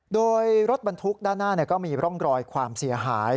โดยรถบรรทุกด้านหน้าก็มีร่องรอยความเสียหาย